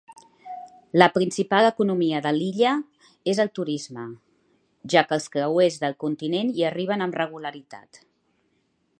La principal economia de l'illa és el turisme, ja que els creuers del continent hi arriben amb regularitat.